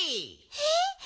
えっ？